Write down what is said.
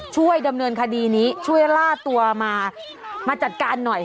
ช่วยดำเนินคดีนี้ช่วยล่าตัวมามาจัดการหน่อย